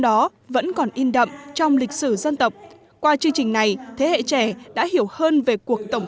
đó vẫn còn in đậm trong lịch sử dân tộc qua chương trình này thế hệ trẻ đã hiểu hơn về cuộc tổng